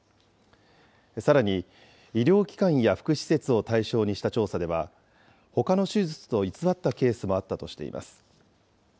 さらに、医療機関や福祉施設を対象にした調査では、ほかの手術と偽ったケースもあったとしています。